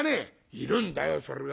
「いるんだよそれが。